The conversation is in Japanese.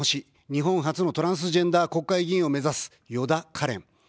日本初のトランスジェンダー国会議員を目指す、よだかれん。